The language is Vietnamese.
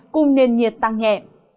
cùng nền nhiệt tăng nhẹ